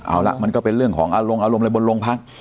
เอาละมันก็เป็นเรื่องของอารมณ์อารมณ์อะไรบนโรงพัก